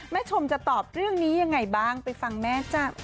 ชมจะตอบเรื่องนี้ยังไงบ้างไปฟังแม่จ้ะ